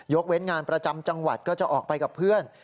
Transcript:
เว้นงานประจำจังหวัดก็จะออกไปกับเพื่อน